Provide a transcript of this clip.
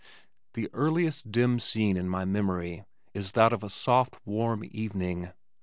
The earliest dim scene in my memory is that of a soft warm evening.